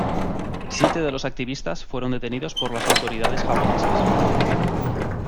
Siete de los activistas fueron detenidos por las autoridades japonesas.